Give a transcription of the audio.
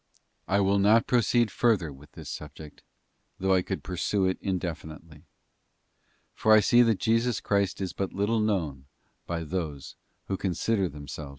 I will not proceed further with this subject, though I could pursue it indefinitely ; for I see that Jesus Christ is but little known by those who consider themselves His friends.